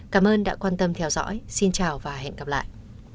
cảm ơn đã quan tâm theo dõi xin chào và hẹn gặp lại